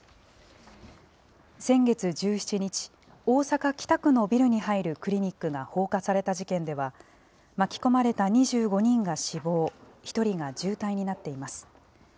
先月１７日、大阪・北区のビルに入るクリニックが放火された事件では、巻き込まれた２５人が死亡、１人が重体になっています。